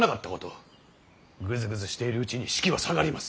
グズグズしているうちに士気は下がります。